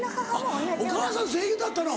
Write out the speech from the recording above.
あっお母さん声優だったの。